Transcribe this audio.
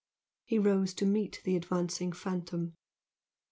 He rose to meet the advancing phantom.